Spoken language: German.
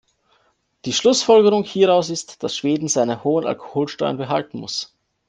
Die Schlussfolgerung hieraus ist, dass Schweden seine hohen Alkoholsteuern behalten muss.